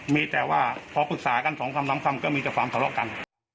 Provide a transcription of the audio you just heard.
มีแต่ว่าพอปรึกษากัน๒คำก็มีความทะเลาะกัน